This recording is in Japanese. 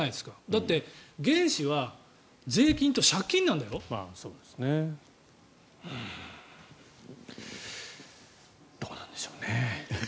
だって、原資は税金と借金なんだよ。どうなんでしょうね。